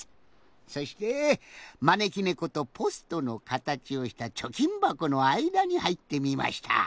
そしてまねきねことポストのかたちをしたちょきんばこのあいだにはいってみました。